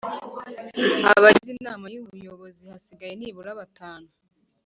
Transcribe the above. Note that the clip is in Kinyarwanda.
Abagize inama y ubuyobozi hasigaye nibura batanu